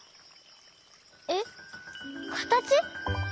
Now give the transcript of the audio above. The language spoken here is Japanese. えっかたち？